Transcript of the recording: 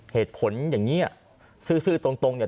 เหตุผลอย่างนี้ซื้อตรงเนี่ย